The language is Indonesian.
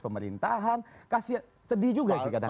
pemerintahan kasih sedih juga sih kadang kadang